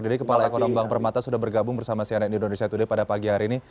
jadi kepala ekonomi bank permata sudah bergabung bersama sianet indonesia today pada pagi hari ini